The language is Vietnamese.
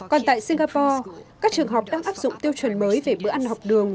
còn tại singapore các trường học đang áp dụng tiêu chuẩn mới về bữa ăn học đường